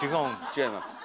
違います。